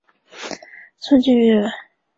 宋敬舆人。